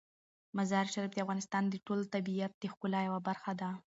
مزارشریف د افغانستان د ټول طبیعت د ښکلا یوه برخه ده.